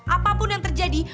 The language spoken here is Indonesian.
apapun yang terjadi